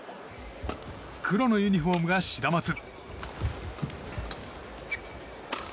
黒のユニホームがシダマツ。